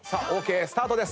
スタートです。